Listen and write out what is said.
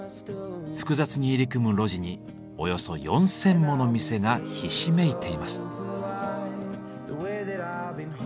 複雑に入り組む路地におよそ４，０００もの店がひしめいています。